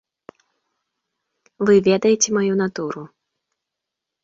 Вы ведаеце маю натуру.